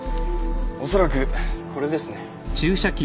おそらくこれですね。